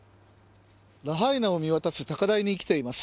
ラハイナを見渡す高台に来ています。